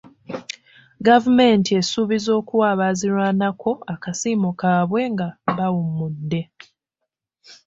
Gavumenti esuubizza okuwa abaazirwanako akasiimo kaabwe nga bawummudde.